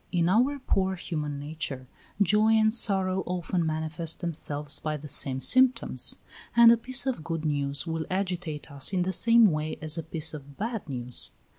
In our poor human nature, joy and sorrow often manifest themselves by the same symptoms; and a piece of good news will agitate us in the same way as a piece of bad news.